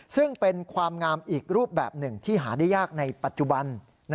ซึ่งเป็นความงามอีกรูปแบบหนึ่งที่หาได้ยากในปัจจุบัน